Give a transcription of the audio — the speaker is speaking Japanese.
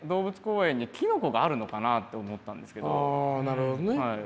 ああなるほどね。